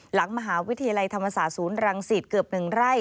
หลังมหาวิทยาลัยธรรมศาสตร์ศูนย์รังสิตเกือบ๑ไร่